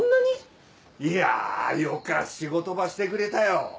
いやぁよか仕事ばしてくれたよ。